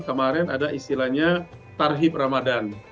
kemarin ada istilahnya tarhib ramadan